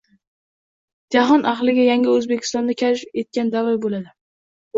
Jahon ahliga Yangi O‘zbekistonni kashf etgan davr bo‘ldi.